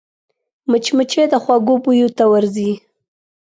مچمچۍ د خوږو بویو ته ورځي